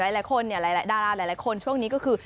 หลายคนหลายดาราหลายคนช่วงนี้ก็คือ